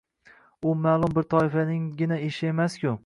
U ma’lum bir toifaninggina ishi emas-ku.